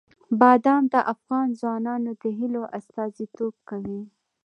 بادام د افغان ځوانانو د هیلو استازیتوب کوي.